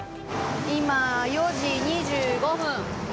今４時２５分。